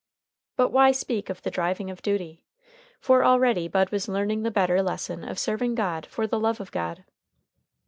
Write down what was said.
But why speak of the driving of duty? For already Bud was learning the better lesson of serving God for the love of God.